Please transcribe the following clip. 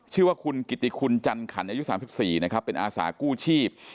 ชื่อว่าคุณกิติคุณจันขันอายุ๓๔นะครับเป็นอาสากู้ชีพ